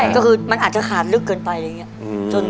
ก็คือมันอาจจะขาดลึกเกินไปอะไรอย่างนี้